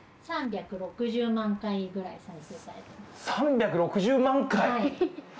３６０万回ぐらい再生されて３６０万回？